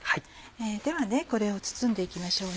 ではこれを包んで行きましょうね。